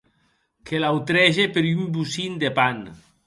Que l’autrege per un bocin de pan.